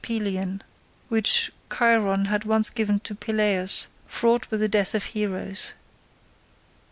Pelion, which Chiron had once given to Peleus, fraught with the death of heroes.